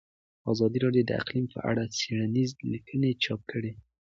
ازادي راډیو د اقلیم په اړه څېړنیزې لیکنې چاپ کړي.